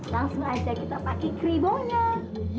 langsung aja kita pakai kribonya